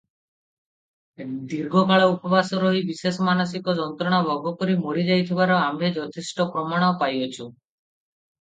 ଦୀର୍ଘକାଳ ଉପବାସ ରହି ବିଶେଷ ମାନସିକ ଯନ୍ତ୍ରଣା ଭୋଗକରି ମରିଯାଇଥିବାର ଆମ୍ଭେ ଯଥେଷ୍ଟ ପ୍ରମାଣ ପାଇଅଛୁ ।